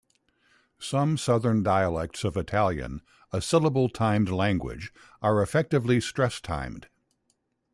Some southern dialects of Italian, a syllable-timed language, are effectively stress-timed.